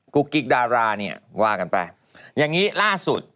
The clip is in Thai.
กุ๊กกิ๊กดาราเนี่ยว่ากันไปอย่างนี้ล่าสุด